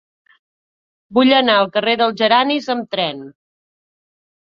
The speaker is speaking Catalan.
Vull anar al carrer dels Geranis amb tren.